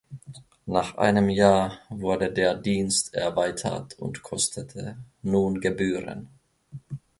Nach einem Jahr wurde der Dienst erweitert und kostete nun Gebühren.